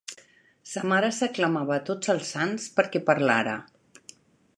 Sa mare s’aclamava a tots els sants perquè parlara.